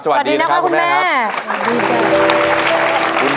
สวัสดีนะครับคุณแม่สวัสดีครับคุณแม่